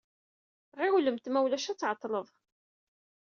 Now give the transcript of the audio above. Ɣiwlemt ma ulac ad tɛeḍḍled.